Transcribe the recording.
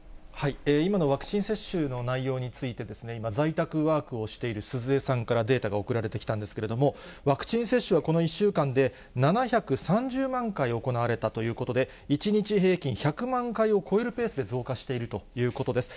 今のワクチン接種の内容について、今、在宅ワークをしている鈴江さんからデータが送られてきたんですけれども、ワクチン接種はこの１週間で、７３０万回行われたということで、１日平均１００万回を超えるペースで増加しているということです。